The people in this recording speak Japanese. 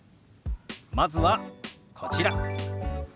まずはこちら。